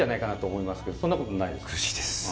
そんなことないですか？